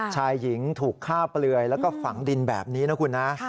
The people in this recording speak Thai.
ชายหญิงถูกฆ่าเปลือยแล้วก็ฝังดินแบบนี้นะคุณนะ